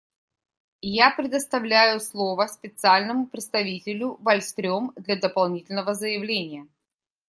Я предоставляю слово Специальному представителю Вальстрём для дополнительного заявления.